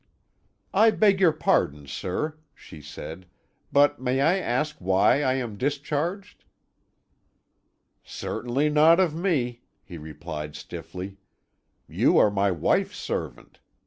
"I beg your pardon, sir," she said; "but may I ask why I am discharged?" "Certainly not of me," he replied stiffly; "you are my wife's servant.